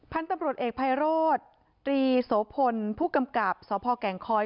พันธุ์ตำรวจเอกภัยโรธตรีโสพลผู้กำกับสพแก่งคอย